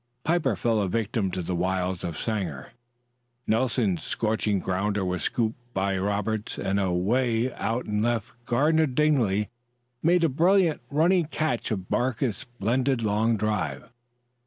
Piper fell a victim to the wiles of Sanger; Nelson's scorching grounder was scooped by Roberts; and away out in left garden Dingley made a brilliant running catch of Barker's splendid long drive.